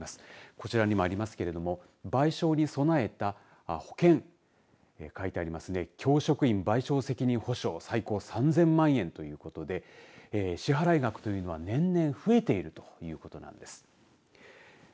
こちらにもありますけれども賠償に備えた保険書いてありますね、教職員賠償責任補償最高３０００万円ということで支払い額というのは年々増えているということなんです。